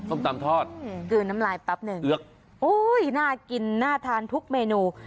ส้มตำทอดกลืนน้ำลายแป๊บหนึ่งโอ้ยน่ากินน่าทานทุกเมนู